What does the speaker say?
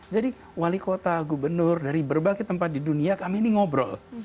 jadi wali kota gubernur dari berbagai tempat di dunia kami ini ngobrol